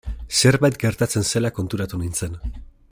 Zerbait gertatzen zela konturatu nintzen.